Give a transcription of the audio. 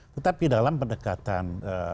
tetapi dalam pendekatan